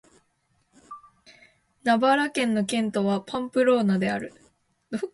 ナバーラ県の県都はパンプローナである